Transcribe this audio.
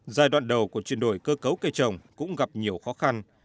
giai đoạn đầu của chuyển đổi cơ cấu cây trồng cũng gặp nhiều khó khăn